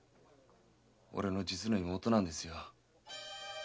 俺の実の妹なんですよ。